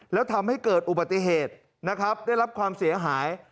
แล้วทำให้เกิดอุบัติเหตุนะครับได้รับความเสียหาย